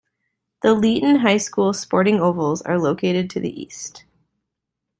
The Leeton High School sporting ovals are located to the east.